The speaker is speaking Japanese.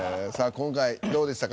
今回どうでしたか？